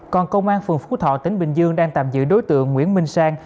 còn công an phường phú thọ tỉnh bình dương đang tạm giữ đối tượng nguyễn minh sang